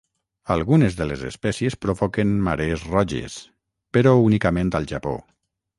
Algunes de les espècies provoquen marees roges, però únicament al Japó.